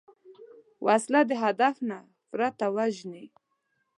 وسله د هدف نه پرته وژني